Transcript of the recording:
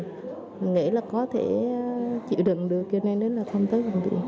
mình nghĩ là có thể chịu đựng được cho nên đến là không tới bệnh viện